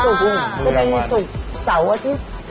สุดพึ่งสุดสาวอาทิตย์